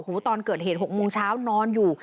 ตอนเกิดเหตุ๖โมงเช้านอนอยู่